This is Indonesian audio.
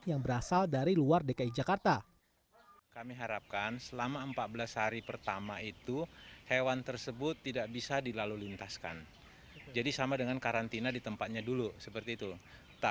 yang berasal dari luar dki jakarta